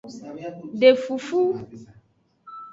De fufu.